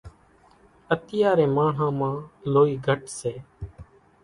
اتيارين ماڻۿان مان لوئِي گھٽ سي۔